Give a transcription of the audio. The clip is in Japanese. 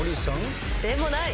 でもない。